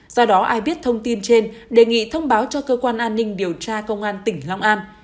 do đó ai biết thông tin trên đề nghị thông báo cho cơ quan an ninh điều tra công an tỉnh long an